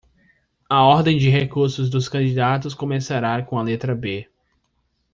A ordem de recurso dos candidatos começará com a letra B.